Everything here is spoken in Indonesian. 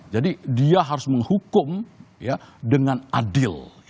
jadi dia harus menghukum dengan adil